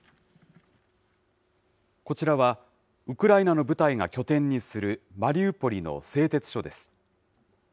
こちらは、ウクライナの部隊が拠点にするマリウポリの製鉄所です。